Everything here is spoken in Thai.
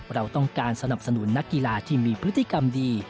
เราต้องการสนับสนุนนักกีฬาที่มีพฤติกรรมดี